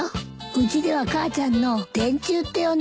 うちでは母ちゃんの電柱って呼んでるの。